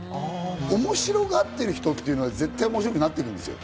面白がってる人っていうのは絶対面白くなってくんですよ。